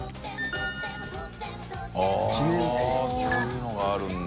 ◆舛そういうのがあるんだ。